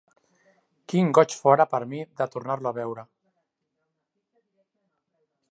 Quin goig fora per a mi de tornar-lo a veure!